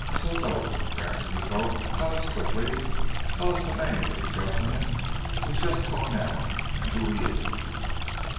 "Soto," Francis invoked, "tell us quickly tell us the name of the gentleman who has just gone out, and who he is?"